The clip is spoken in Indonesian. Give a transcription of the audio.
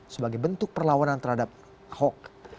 sebagai bentuk perlawanan terhadap hoax